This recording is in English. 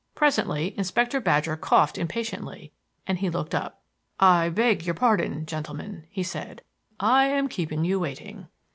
Presently Inspector Badger coughed impatiently and he looked up. "I beg your pardon, gentleman," he said. "I am keeping you waiting."